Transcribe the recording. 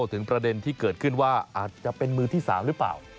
ถึงประเด็นที่เกิดขึ้นว่าอาจจะเป็นมือที่๓หรือเปล่า